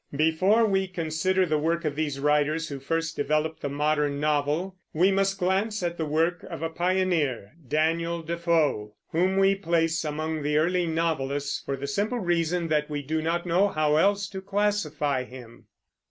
Before we consider the work of these writers who first developed the modern novel, we must glance at the work of a pioneer, Daniel Defoe, whom we place among the early novelists for the simple reason that we do not know how else to classify him.